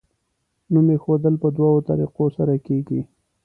نوم ایښودل په دوو طریقو سره کیږي.